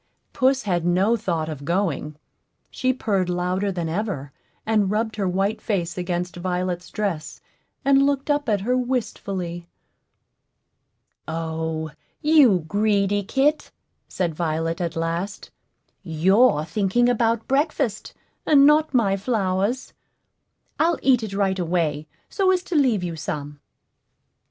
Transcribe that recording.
Puss had no thought of going; she purred louder than ever, and rubbed her white face against Violet's dress, and looked up at her wistfully. "O, you greedy kit!" said Violet, at last; "you're thinking about breakfast, and not my flowers. I'll eat it right away, so as to leave you some."